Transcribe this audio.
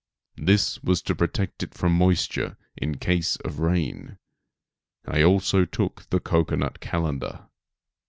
This was to protect it from moisture in case of rain. I also took the cocoanut calendar.